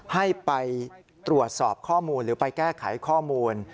ให้ไปตรวจสอบข้อมูลหรือไปแก้ไขข้อมูล